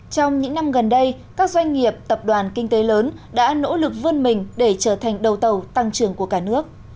trong những năm gần đây các doanh nghiệp tập đoàn kinh tế lớn đã nỗ lực vươn mình để trở thành đầu tàu tăng trưởng của cả nước